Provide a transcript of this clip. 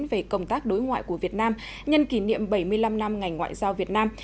về công tác đối ngoại của việt nam nhân kỷ niệm bảy mươi năm năm ngành ngoại giao việt nam